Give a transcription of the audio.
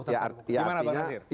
gimana pak nasir